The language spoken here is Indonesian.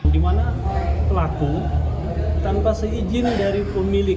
di mana pelaku tanpa seizin dari pemilik